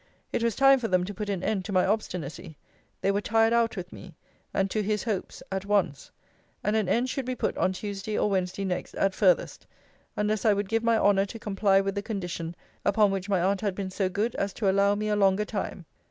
It was time for them to put an end to my obstinacy (they were tired out with me) and to his hopes at once. And an end should be put on Tuesday or Wednesday next, at furthest; unless I would give my honour to comply with the condition upon which my aunt had been so good as to allow me a longer time.